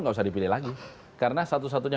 nggak usah dipilih lagi karena satu satunya